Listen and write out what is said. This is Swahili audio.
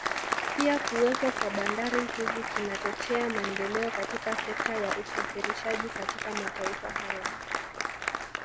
Pia kuwepo kwa bandari hizi kunachochea maendeleo katika sekta ya usafirishaji katika mataifa haya